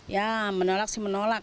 ya menolak sih menolak